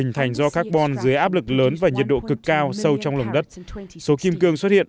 hình thành do carbon dưới áp lực lớn và nhiệt độ cực cao sâu trong lòng đất số kim cương xuất hiện